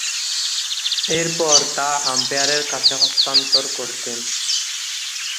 এরপর তা আম্পায়ারের কাছে হস্তান্তর করতেন।